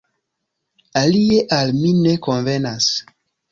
Alie al mi ne konvenas.